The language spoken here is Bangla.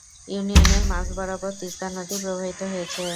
ইউনিয়নের মাঝ বরাবর তিস্তা নদী প্রবাহিত হয়েছে।